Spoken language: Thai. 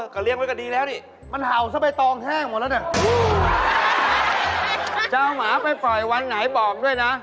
จะเอาหมาไปปล่อยวันไหนบอกด้วยนะ